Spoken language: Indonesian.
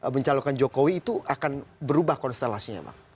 mencalurkan jokowi itu akan berubah konstelasinya pak